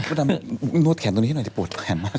คุณดำโนธแขนตรงนี้หน่อยโปรดแขนมาก